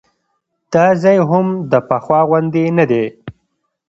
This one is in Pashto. دا ځای هم د پخوا غوندې نه دی.